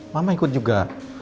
mama ikut juga